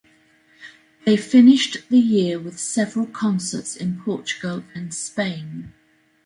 They finished the year with several concerts in Portugal and Spain.